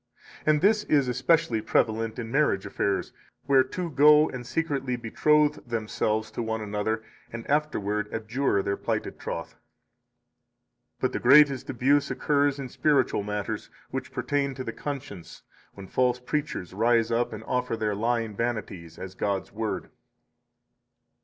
And this is especially prevalent in marriage affairs, where two go and secretly betroth themselves to one another, and afterward abjure [their plighted troth]. 54 But, the greatest abuse occurs in spiritual matters, which pertain to the conscience, when false preachers rise up and offer their lying vanities as God's Word.